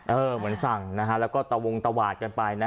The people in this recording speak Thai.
เออเหมือนสั่งครับเราก็ตะวุงตรวาดกันไป